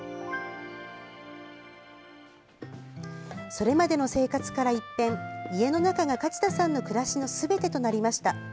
それまでの生活から一変家の中が勝田さんの暮らしのすべてとなりました。